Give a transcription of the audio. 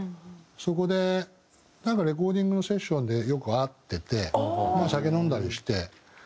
そこでなんかレコーディングのセッションでよく会ってて酒飲んだりして。